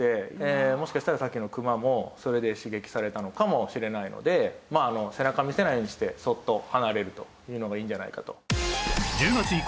もしかしたらさっきのクマもそれで刺激されたのかもしれないので背中見せないようにしてそっと離れるというのがいいんじゃないかと。